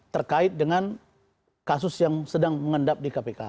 terkait dengan kasus yang sedang mengendap di kpk